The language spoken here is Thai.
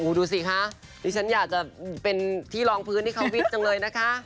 ดูสิคะดิฉันอยากจะเป็นที่ลองพื้นที่เขาวิทย์จังเลยนะคะ